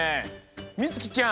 みつきちゃん！